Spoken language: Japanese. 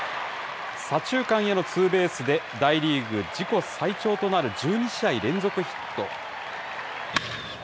左中間へのツーベースで大リーグ自己最長となる、１２試合連続ヒット。